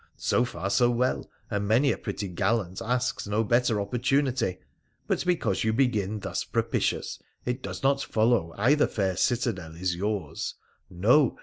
So far so well, and many a pretty gallant asks no better opportunity. But, because you begin thus propitious, it does not follow either fair citadel is yours ! No